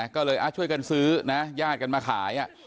ก็เลยช่วยกันซื้อนะญาติกันมาขาย